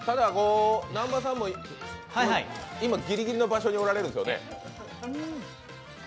南波さんも今ギリギリの場所におられるんですよね。